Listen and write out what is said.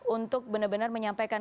untuk benar benar menyampaikan